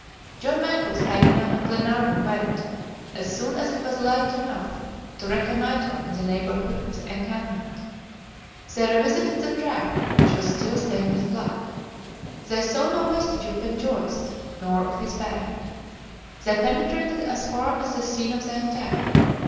John Mangles, Paganel, and Glenarvan went, as soon as it was light enough, to reconnoiter in the neighborhood of the encampment. They revisited the track, which was still stained with blood. They saw no vestige of Ben Joyce, nor of his band. They penetrated as far as the scene of the attack.